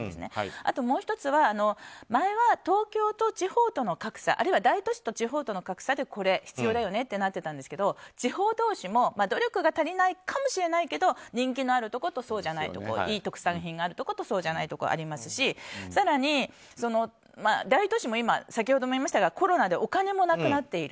あともう１つは前は東京と地方との格差あるいは大都市と地方との格差でこれ、必要だよねとなってたんですけど、地方同士も努力が足りないかもしれないけど人気のあるところとそうじゃないところいい特産品があるところとそうじゃないところありますし更に、大都市も今先ほども言いましたがコロナでお金もなくなっている。